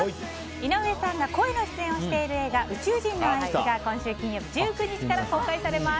井上さんが声の出演をしている映画「宇宙人のあいつ」が今週金曜日１９日から公開されます。